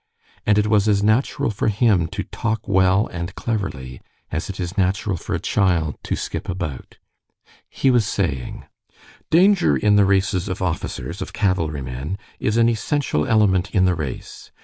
And it was as natural for him to talk well and cleverly, as it is natural for a child to skip about. He was saying: "Danger in the races of officers, of cavalry men, is an essential element in the race.